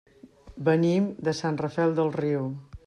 Venim de Sant Rafel del Riu.